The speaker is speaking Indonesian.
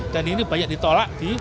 dan ini banyak ditolak